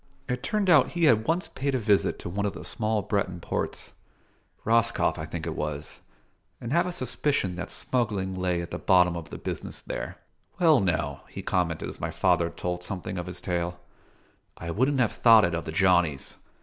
It turned out he had once paid a visit to one of the small Breton ports: Roscoff I think it was, and have a suspicion that smuggling lay at the bottom of the business there. "Well now," he commented as my father told something of his tale, "I wouldn' have thought it of the Johnnies.